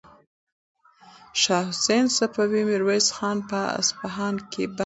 شاه حسین صفوي میرویس خان په اصفهان کې بندي کړ.